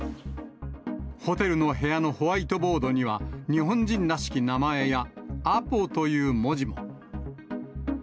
ホテルの部屋のホワイトボードには、日本人らしき名前や、アポという文字も。